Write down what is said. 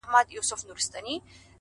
هره لحظه د جوړولو ځواک لري